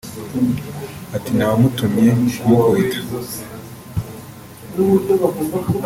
Ati « nta wamutumye kumukubita